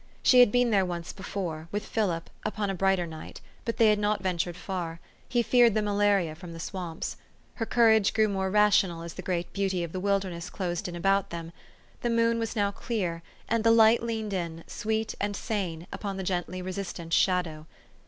She had been there once before with Philip upon a brighter night ; but they had not ventured far : he feared the malaria from the swamps. Her cour age grew more rational as the great beauty of the wilderness closed in about them. The moon was now clear, and the light leaned in, sweet and sane, upon the gently resistant shadow.